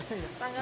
tanggalnya lupa ya